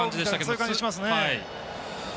そういう感じしますね。